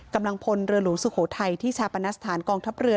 กำลังพลเรือหลวงสุโขทัยที่ชาปนสถานกองทัพเรือ